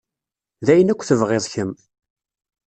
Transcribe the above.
D ayen akk tebɣiḍ kemm.